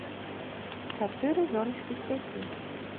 Чатыры зорачкі з пяці.